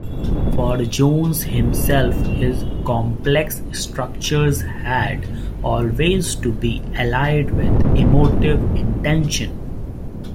For Jones himself his complex structures had always to be allied with emotive intention.